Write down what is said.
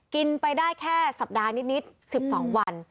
กินไปได้แค่สัปดาห์นิด๑๒วัน